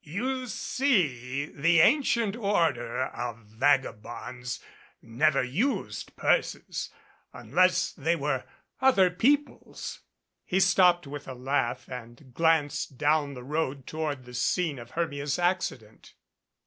You see the Ancient Order of Vagabonds never used purses unless they were other people's." He stopped with a laugh and glanced down the road toward the scene of Hermia's accident.